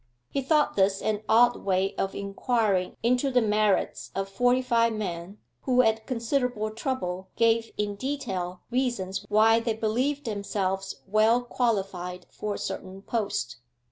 He thought this an odd way of inquiring into the merits of forty five men who at considerable trouble gave in detail reasons why they believed themselves well qualified for a certain post.